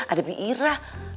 ada bi ira